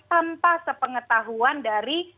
tanpa sepengetahuan dari